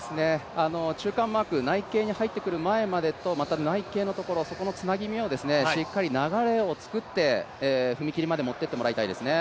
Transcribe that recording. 中間マーク、内傾に入っていくところ、そこのつなぎ目をしっかり流れを作って踏切まで持っていってもらいたいですね。